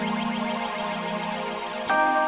di setengah ukuran kita